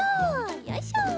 よいしょ。